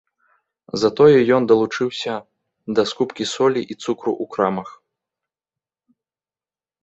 Затое ён далучыўся да скупкі солі і цукру ў крамах.